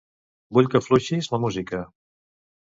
Vull que afluixis la música.